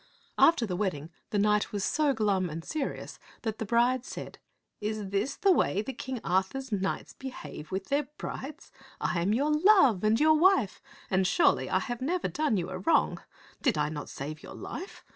After the wedding, the knight was so glum and serious that the bride said, "Is this the way King Arthur's knights behave with their brides ? I am your love and your wife, and, surely, I have never done you a wrong. Did I not save your life